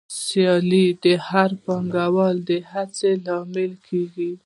سیالي د هر پانګوال د هڅې لامل کېږي